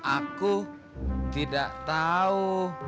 aku tidak tahu